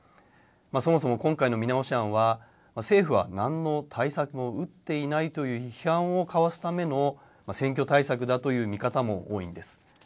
そもそも、今回の見直し案は政府は何の対策も打っていないという批判をかわすための選挙対策だという見方も多いんです。